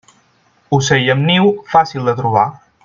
Ocell amb niu, fàcil de trobar.